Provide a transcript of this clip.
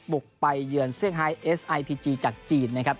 บุกไปเยือนเซี่ยงไฮเอสไอพีจีจากจีนนะครับ